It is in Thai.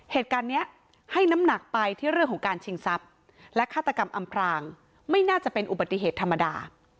เหตุการณ์นี้ให้น้ำหนักไปที่เรื่องของการชิงทรัพย์และฆาตกรรมอำพรางไม่น่าจะเป็นอุบัติเหตุธรรมดา